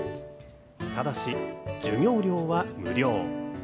ただし、授業料は無料。